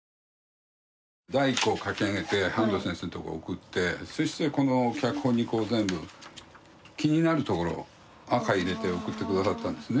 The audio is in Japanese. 第１稿を書き上げて半藤先生のとこへ送ってそしてこの脚本にこう全部気になるところ赤入れて送って下さったんですね。